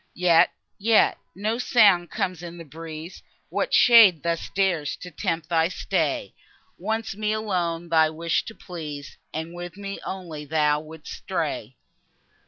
Yet, yet, no sound comes in the breeze! What shade thus dares to tempt thy stay? Once, me alone thou wish'd to please, And with me only thou wouldst stray.